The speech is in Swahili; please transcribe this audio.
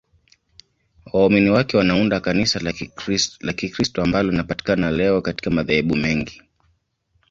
Waumini wake wanaunda Kanisa la Kikristo ambalo linapatikana leo katika madhehebu mengi.